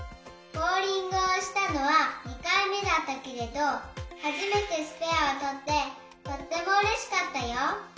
ボウリングをしたのは２かいめだったけれどはじめてスペアをとってとってもうれしかったよ。